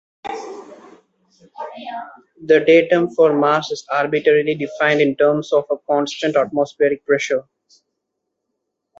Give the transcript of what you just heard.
The datum for Mars is arbitrarily defined in terms of a constant atmospheric pressure.